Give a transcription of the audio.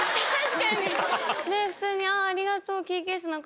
普通にありがとう。